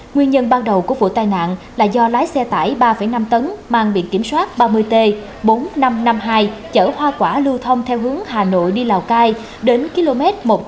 nguyên nhân ban đầu của vụ tai nạn là do lái xe tải ba năm tấn mang biển kiểm soát ba mươi t bốn nghìn năm trăm năm mươi hai chở hoa quả lưu thông theo hướng hà nội đi lào cai đến km một trăm tám mươi tám